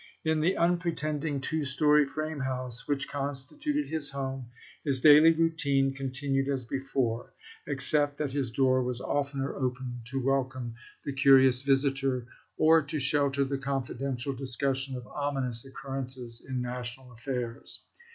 In the unpretending two story frame house which constituted his home, his daily routine continued as before, except that his door was oftener opened THE PEESIDENT ELECT 247 to welcome the curious visitor or to shelter the chap.xvi. confidential discussion of ominous occurrences in national affairs.